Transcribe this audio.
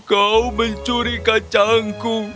kau mencuri kacangku